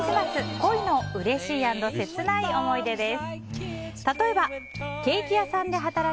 恋のうれしい＆切ない思い出です。